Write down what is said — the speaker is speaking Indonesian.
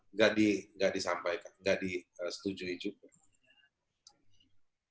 nggak disampaikan nggak disetujui juga